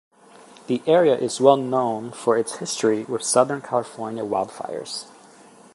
The area is well known for its history with Southern California wildfires.